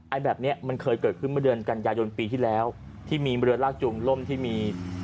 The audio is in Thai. แบบนี้มันเคยเกิดขึ้นเมื่อเดือนกันยายนปีที่แล้วที่มีเรือลากจูงล่มที่มี